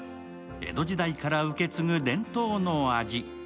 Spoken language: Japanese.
江戸時代から受け継ぐ伝統の味。